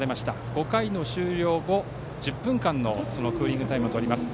５回終了後、１０分間のクーリングタイムをとります。